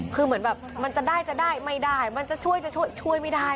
คือเหมือนแบบมันจะได้จะได้ไม่ได้มันจะช่วยจะช่วยไม่ได้